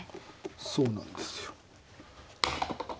そうなんですよ。